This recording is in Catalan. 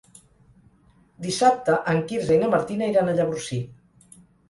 Dissabte en Quirze i na Martina iran a Llavorsí.